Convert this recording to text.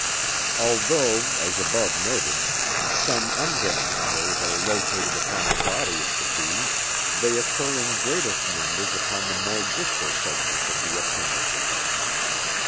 Although, as above noted, some unbranched hairs are located upon the body of the bee, they occur in greatest numbers upon the more distal segments of the appendages.